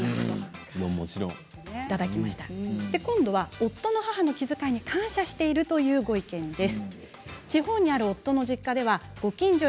夫の母の気遣いに感謝しているというご意見です。